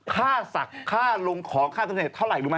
ค่าสักค่าลงของค่าเสน่ห์เท่าไหร่รู้ไหม